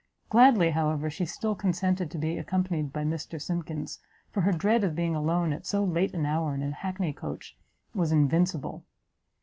Gladly, however, she still consented to be accompanied by Mr Simkins, for her dread of being alone, at so late an hour, in an hackney coach, was invincible.